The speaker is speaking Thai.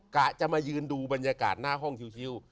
กะจะมายืนดูบรรยากาศหน้าห้องชิว